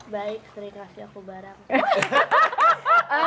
baik sering kasih aku bareng